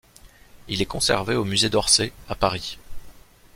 Il est conservé au Musée d'Orsay à Paris.